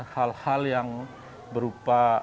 hal hal yang berupa